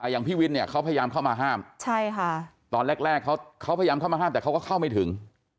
อย่างพี่วินเนี่ยเขาพยายามเข้ามาห้ามตอนแรกเขาพยายามเข้ามาห้ามแต่เขาก็เข้าไม่ถึง